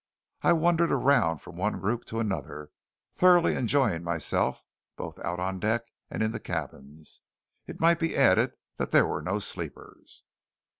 I wandered around from one group to another, thoroughly enjoying myself, both out on deck and in the cabins. It might be added that there were no sleepers!